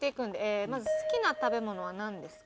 まず好きな食べ物はなんですか？